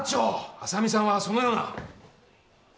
浅見さんはそのような。